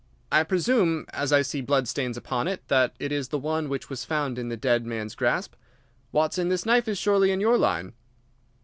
"I presume, as I see blood stains upon it, that it is the one which was found in the dead man's grasp. Watson, this knife is surely in your line?"